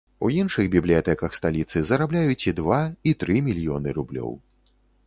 У іншых бібліятэках сталіцы зарабляюць і два, і тры мільёны рублёў.